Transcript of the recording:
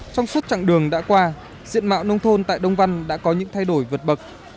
trong suốt chặng đường đã qua diện mạo nông thôn tại đông văn đã có những thay đổi vượt bậc